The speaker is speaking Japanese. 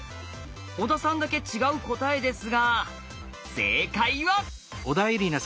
小田さんだけ違う答えですが正解は？